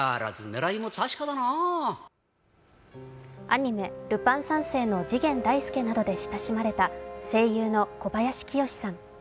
アニメ「ルパン三世」の次元大介などで親しまれた声優の小林清志さん。